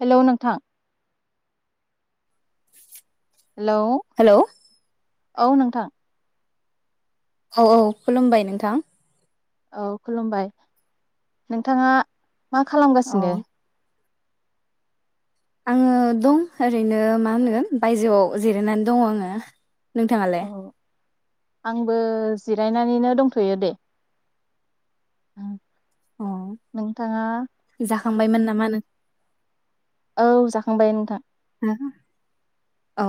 Hello नोंथां [unintelligible] hello hello औ नोंथां औ औ खुलुमबाय नोंथां औ खुलुमबाय नोंथाङा मा अ खालामगासिनो आङो दं ओरैनो मा होनो बायजोआव जिरायनानै दं आङो नोंथाङालाय औ आंबो जिरायनानैनो दंथयो दे ओम नोंथाङा थांबायमोन नामा नों औ जाखांबाय नोंथां [unintelligible] अ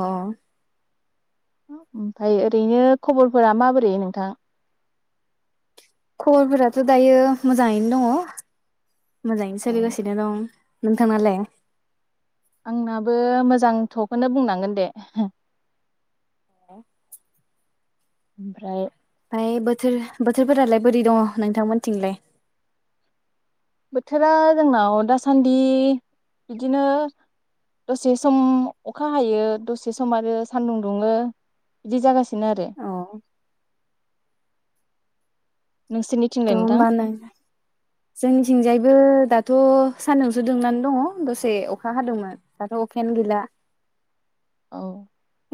ओमफाय ओरैनो खबरफोरा माबोरै नोंथां खबरफोराथ दायो मोजाङैनो दङ मोजाङैनो औ सोलिगासिनो दं नोंथांनालाय आंनाबो मोजांथखौनो बुंनांगोन दे औ ओमफ्राय ओमफ्राय बोथोर बोथोरफोरालाय बोरै दङ नोंथांमोनथिंलाय बोथोरा जोंनाव दासान्दि बिदिनो दसे सम अखा हायो दसे सम आरो सानदुं दुङो बिदि जागासिनो आरो नोंसिनि [unintelligible] होमबा नों जोंनिथिंजायबो दा दाथ सानदुंसो दुंनान दङ दसे अखा हादोंमोन दाथ अखायानो गैला औ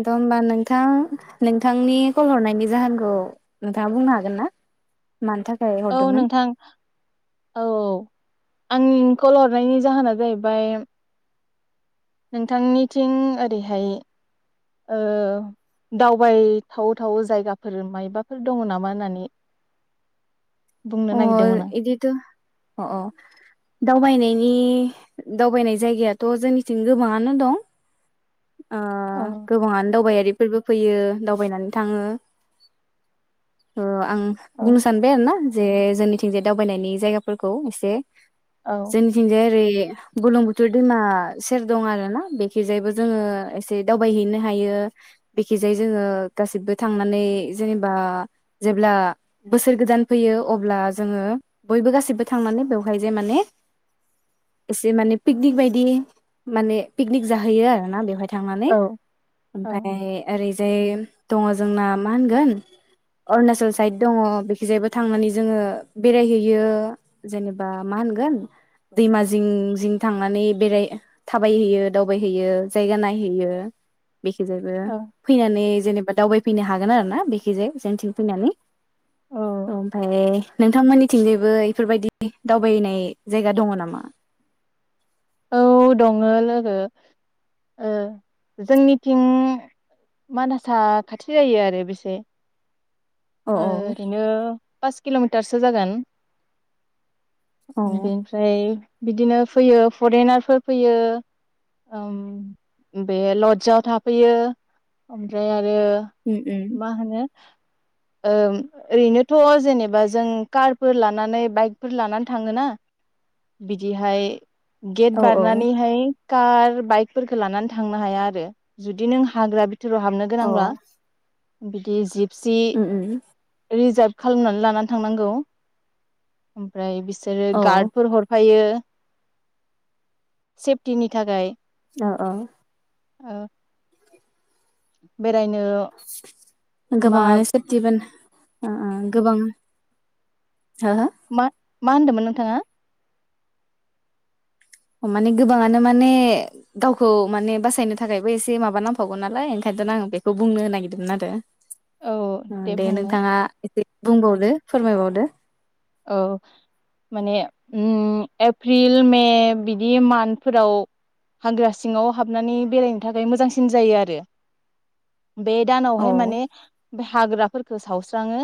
दाथ होनबा नोंथां नोंथांनि कल हरनायनि जाहोनखौ नोंथाङा बुंनो हागोन ना मानोथ औ नोंथां औ आंनि कल हरनायनि जाहोना जाहैबाय नोंथांनिथिं ओरैहाय औ दावबायथावथाव जायगाफोर मायबाफोर दङ नामा होननानै बुंनो अ नागिरदोंमोन आं। एदिथ अ औ दावबायनायनि दावबायनाय जायगायाथ जोंनिथिं गोबाङानो दं अ गोबाङानो दावबायारि [unintelligible] फैयो दावबायनानै थाङो औ आं औ बुंनो सानबाय आरो ना जे जोंनि थिं [unintelligible] दावबायनायनि जायगाफोरखौ एसे औ जोंनिथिंजाय एरै बलुंबुथुर दैमा सेर दं आरो ना बेखिजायैबो जोङो एसे दावबायहैनो हायो बेखिजाय जोङो गासिबो थांनानै जेनेबा जेब्ला बोसोर गोदान फैयो अब्ला जोङो बयबो गासिबो थांनानै बेवहाय जे माने एसे माने पिकनिक बायदि माने पिकनिक जाहैयो आरो ना बेवहाय थांनानै औ औ ओमफ्राय ओरै जाय दङ जोंना मा होनगोन अरुणाचल साइद दङ बेखिजायबो थांनानै जोङो बेरायहैयो जेनेबा मा होनगोन दैमा जिं जिं थांनानै बेराय थाबायहैयो दावबायहैयो जायगा नायहैयो बेखिजायबो फैनानै जेनेबा दावबायफैनो हागोन आरो ना बेखिजाया जोंथिं फैनानै औ ओमफ्राय नोंथांमोननिथिंजायबो बेफोरबायदि दावबायनाय जायगा दङ नामा औ दङ लोगो ओ जोंनिथिं मानसा खाथि जायो आरो बेसे औ औ ओरैनो पास किलमिटारसो जागोन औ बेनिफ्राय बिदिनो फैयो फरेनारफोर फैयो ओम बे लडजआव थाफैयो ओमफ्राय आरो उम उम मा होनो ओम ओरैनोथ जेनेबा जों कारफोर लानानै बाइकफोर लानानै थाङोना बिदिहाय गेट औ औ बारनानैहाय कार बाइकफोरखौ लानानै थांनो हाया आरो जुदि नों हाग्रा बि हाबनो औ गोनांब्ला बिदि जिब सि उम उम रिजाब [unintelligible] लानानै थांनांगौ ओमफ्राय बि सोरो औ गार्डफोर हरफायो सेफटिनि थाखाय अ अ औ [inaudible] मा गोबाङानो सोरथिबोन अ अ गोबां हो मा मा होनदोंमोन नोंथाङा माने गोबाङानो माने गावखौ माने बासायनो थाखायबो एसे माबा नांफागौ नालाय ओंखायथ आं बेखौ बुंनो नागिरदोंमोन आरो औ ओ दे बुंलाय नोंथाङा ए बुंबावदो फोरमायबावदो औ माने ओम एप्रिल मे बिदि मान्थ फोराव हाग्रा सिङाव हाबनानै बेरायनो थाखाय मोजांसिन जायो आरो बे औ दानावहाय माने हाग्राफोर सावस्राङो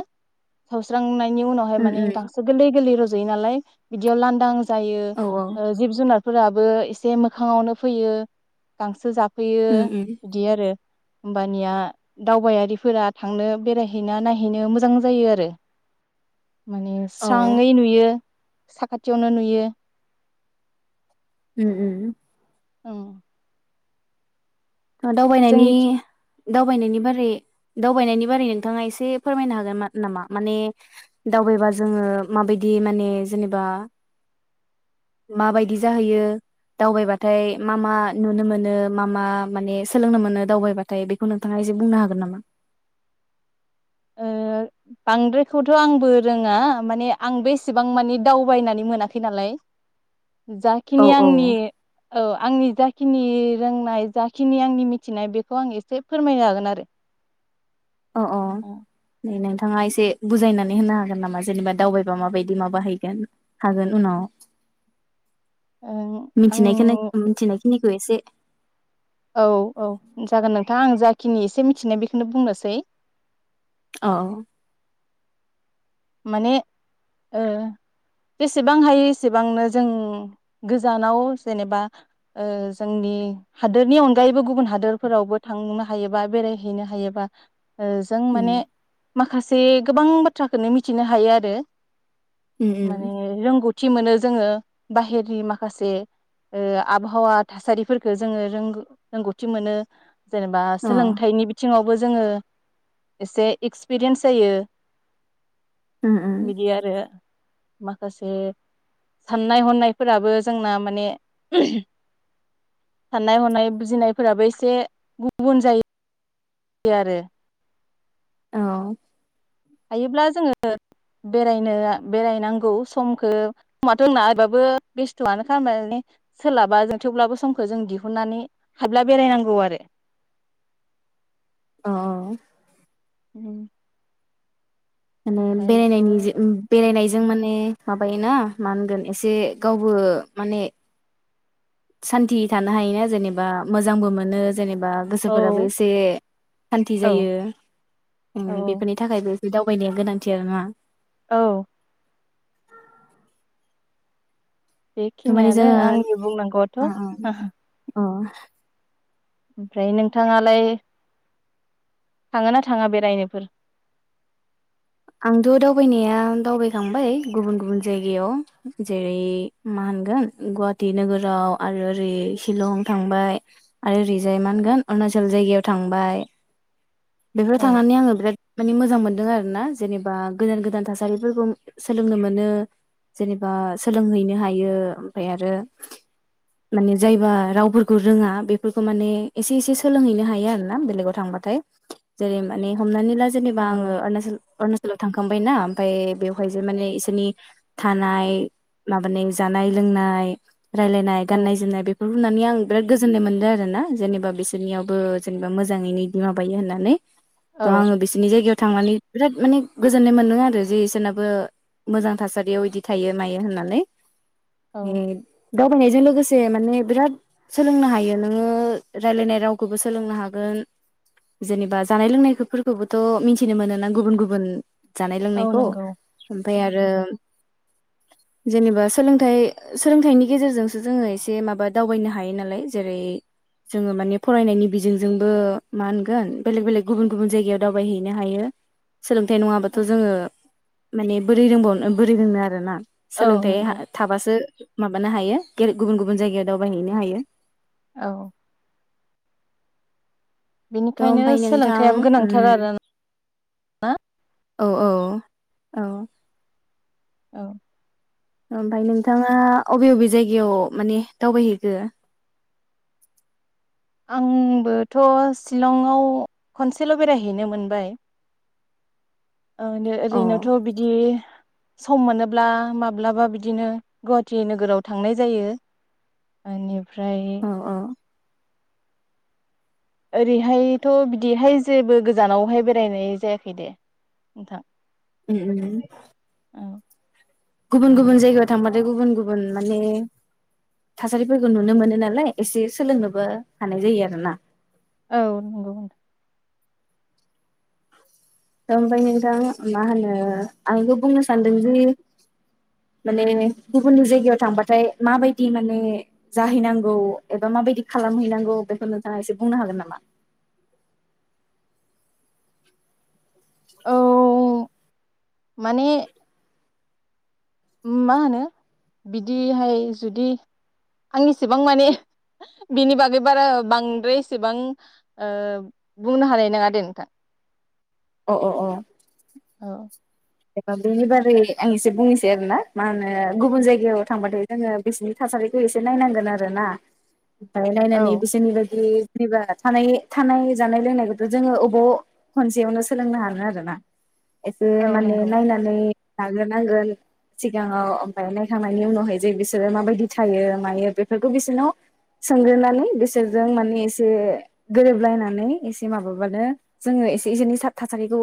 सावस्रांनाय बिनि उनाहाय उम माने गा उम गोरलै गोरलै रजयो नालाय बिदियाव लानदां जायो औ ओ जिब जुनार फोराबो एसे मोखाङावनो फैयो गांसो जा फैयो उम उम बिदि आरो होमबानिया दावबायारिफोरा थांनो बेरायहैना नायहैनो मोजां जायो आरो माने औ स्राङै नुयो साखाथियावनो नुयो उम उम उम दावबायनायनि जोंनिथि दावबायनायनि बारै दावबायनायनि बारै नोंथाङा एसे फोरमायनो हागोन नामा? माने दावबायबा जोङो माबायदि माने जेनेबा माबायदि जाहैयो दावबायबाथाय मा मा नुनो मोनो मा मा माने सोलोंनो मोनो दावबायबाथाय बेखौ नोंथाङा एसे बुंनो हागोन नामा? ओ बांद्रायखौथ आंबो रोङा माने आंबो एसेबां मानि‌ दावबायनानै मोनाखै नालाय। औ जाखिनि आंनि औ आंनि जाख खिनि रोंनाय जाखिनि आंनि मिथिनाय बेखौ आं एसे फोरमायनो हागोन आरो। अ अ [unintelligible] नोंथाङा एसे बुजायनानै होनो हागोन नामा जेनेबा दावबायबा माबायदि माबाहैगोन हागोन उनाव? ओं आं मिथिनायखोनो मिथिनाय निखौ एसे औ औ जागोन नोंथां आं जा खिनि एसे मिथिनाय बेखौनो बुंनोसै। औ। माने ओ एसेबां हायो एसेबांनो जों गोजानाव जेनेबा ओ जोंनि हादोरनि अनगायैबो गुबुन हादोरफोरावबो थांनो हायोबा बेरायहैनो हायोबा जों उम माने माखासे गोबां बाथ्रा खोनो मिथिनो हायो आरो। उम माने उम रोंगौ थि मोनो जोङो बाहेरनि माखासे ओ आबहावा थासारिफोरखौ जोङो रों रोंगौथि मोनो। जेनेबा अ सोलोंथाइनि बिथिङाव बो जोङो एसे एक्सपिरियेनस जायो। उम उम बिदि आरो। माखासे साननाय हनायफोराबो जोंना माने [unintelligible] साननाय हनाय बुजिनायफोराबो एसे गुबुन जायो यो आरो। औ। हायोब्ला जोङो बेरायनो बेरायनांगौ समखो समाथ जोंना होबाबो बेस्थआनो माने सोलाबा जों थेवब्लाबो समखो जों दिहुननानै हाब्ला बेरायनांगौ आरो। अ अ। उम माने बेरायनायनि बेरायनाय जों माने माबायोना मा होनगोन एसे गावबो माने- सानति थानो हायोना जेनेबा मोजांबो मोनो जेनेबा औ गोसोफोराबो एसे सानति औ जायो। उम औ बेफोरनि थाखायबो बे दावबायनाया गोनांथि आरो ना। औ। थारमाने बेखिनियानो जोङो आंनि बुंनांगौआथ ओहो अ। [unintelligible] ओमफ्राय नोंथाङालाय थाङोना थाङा बेरायनोफोर? आंथ दावबायनाया दावबायखांबाय गुबुन गुबुन जायगायाव जेरै मा होनगोन गुवाहाटि नोगोराव आरो ओरै सिलं थांबाय। आरो ओरैजाय मा होनगोन अरुणाचल जायगायाव थांबाय बेफोराव औ थांनानै आङो बिराद माने मोजां मोन आरो ना जेनेबा गोदान गोदान थासारिफोरखौ सोलोंनो मोनो जेनेबा सोलोंहैनो हायो ओमफ्राय आरो माने जायबा रावफोरखौ रोङा बेफोरखौ माने एसे एसे सोलोंहैनो हायो आरो ना बेलेगाव थांबाथाय जेरै माने हमनानै दा जेनेबा आङो नंगौ अरुणाचल अरुणा स्कुलाव थांखांबायना ओमफ्राय बेवहाय जे माने इसोरनि थानाय माबानि जानाय लोंनाय रायलायनाय औ गाननाय जोमनाय बेफ रुनानै आं बिराद गोजोन्नाय मोनदों आरो ना जेनेबा बिसोरनियावबो जेनेबा मोजाङैनो बिमा बायो होननानै दा औ आङो बिसोरनि जायगायाव थांनानै बिराद माने गोजोननाय मोनदों आरो जे इसोरनाबो मोजां थासारियाव इदि थायो मायो होननानै औ [unintelligible] दावबायनायजों लोगोसे माने बिराद सोलोंनो हायो नोङो रायलायनाय रावखौबो सोलोंनो हागोन जेनेबा जानाय लोंनायखोफोरखौबोथ मिथिनो मोनो ना गुबुन गुबुन जानाय औ लोंनायखौ नंगौ ओमफाय आरो जेनेबा सोलोंथाइ सोलोंथाइनि गेजेरजोंसो जोङो एसे माबा दावबायनो हायो नालाय जेरै जोङो माने फरायनायनि बिजोंजोंबो मा होनगोन बेलेग बेलेग गुबुन गुबुन जायगायाव दावबायहैनो हायो सोलोंथाइ नङाबाथ जोङो माने बोरै रोंबावनो बोरै रोंनो आरो ना औ सोलोंथाइ नंगौ थाबासो माबानो हायो गेर‌ गुबुन गुबुन जायगायाव दावबायहैनो हायो औ थ' बेनिखायनो ओमफ्राय नोंथां सोलोंथाइयाबो उम गोनांथार आरो [unintelligible] ना औ औ औ औ ओमफ्राय नोंथाङा अबे अबे जायगायाव माने दावबायहैखो आंबोथ सिलंआव खनसेल बेरायहैनो मोनबाय ओह अ ओरैनोथ बिदि सम मोनोब्ला माब्लाबा बिदिनो गुवाहाटि नोगोराव थांनाय जायो मानि ओमफ्राय औ औ ओरैहायथ बिदिहाय जेबो गोजानावहाय बेरायनाय जायाखै दे नोंथां उम उम औ गुबुन गुबुन जायगायाव थांबाथाय गुबुन गुबुन माने थासारिफोरखौ नुनो मोनो नालाय एसे सोलोंनोबो हानाय जायो आरोना औ नंगौ नोंथां ओमफ्राय नोंथां मा होनो आं बेखौ बुंनो सानदोंदि माने गुबुननि जायगायाव थांबाथाय माबायदि माने जाहैनांगौ एबा माबायदि खालामहैनांगौ बेखौ नोंथाङा एसे बुंनो हागोन नामा औ माने उम मा होनो बिदिहाय जुदि आं इसेबां माने बिनि बागै बारा बांद्राय एसेबां ओ बुंनो हानाय नङा दे नोंथां अ अ अ औ जेन बेनि बारै आं एसे बुंनोसै आरोना मा होन [unintelligible] ओ गुबुन जायगायाव थांबाथ जोङो बिसोरनि थासारिखौ एसे नायनांगोन आरो ना बाय औ नायनानै बिसोरनि बादि जेनेबा थानाय थानाय जानाय लोंनायखौथ जोङो अबाव खनसेयावनो सोलोंनो हानो आरोना एसे औ माने नंगौ नानै लाग्रोनांगोन सिगाङाव ओमफाय नायखांनायनि उनावहाय जे बिसोरो माबायदि थायो मायो बेफोरखौ बिसोरनाव सोंग्रोनानै बिसोरजों माने एसे गोरोबलायनानै एसे माबाबानो जोङो एसे इसोरनि सा थासारिखौ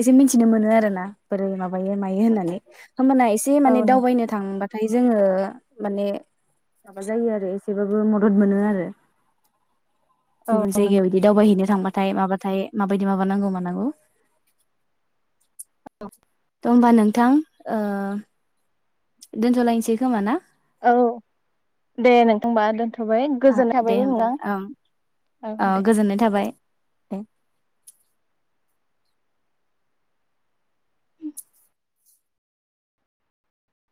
एसे मिथिनो मोनो आरोना [unintelligible] मायो मायो होननानै होमबाना एसे औ माने नंगौ दावबायनो थांबा फ्राय जोङो माने माबा जायो आरो एसेबाबो मदद मोनो आरो गुबुन औ नंगौ जायगायाव इदि दावबायहैनो दांबाथाय माबाथाय माबायदि माबा नांगौ मानांगौ त होनोमबा नोंथां ओ दोनथलायनोसै खोमा ना औ दे नोंथांबा दोनथ थबाय गोजोन थाबाय दे नोंथां औ अ दे। गोजोननाय थाबाय [inaudible]